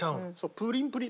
プリンプリン。